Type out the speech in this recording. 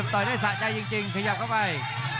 ต่อยได้สะใจจริงขยับเข้าไป